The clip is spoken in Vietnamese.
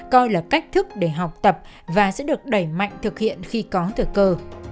coi là cách thức để học tập và sẽ được đẩy mạnh thực hiện khi có thời cơ